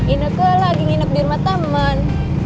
ini ke lagi nginep di rumah temen